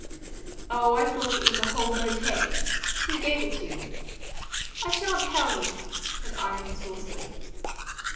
"Oh, I thought it was a whole bouquet. Who gave it to you?" "I shan't tell you," said Irene saucily.